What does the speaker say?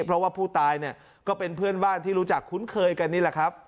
เพราะว่าผู้ตายเนี่ยก็เป็นเพื่อนบ้านที่รู้จักคุ้นเคยกันนี่แหละครับ